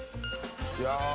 いや。